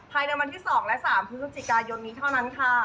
ภายในวันที่๒และ๓พฤศจิกายนนี้เท่านั้นค่ะ